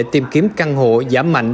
tìm kiếm căn hộ giảm mạnh